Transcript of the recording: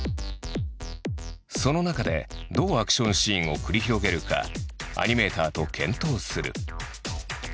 その中でどうアクションシーンを繰り広げるかアニメーターと検討する。